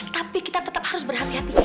tapi kita tetap harus berhati hati